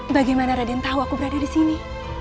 bagaimana raden tahu aku berada disini